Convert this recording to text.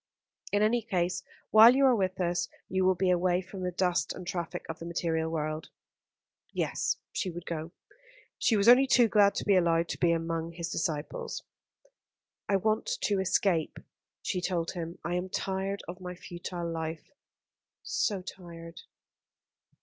In any case, while you are with us you will be away from the dust and traffic of the material world." Yes, she would go, she was only too glad to be allowed to be among his disciples. "I want to escape," she told him. "I am tired of my futile life so tired."